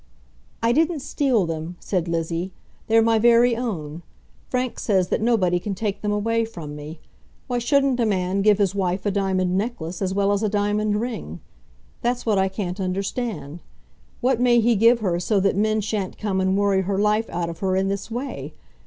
"I didn't steal them," said Lizzie; "they're my very own. Frank says that nobody can take them away from me. Why shouldn't a man give his wife a diamond necklace as well as a diamond ring? That's what I can't understand. What may he give her so that men sha'n't come and worry her life out of her in this way?